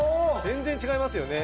全然違いますよね。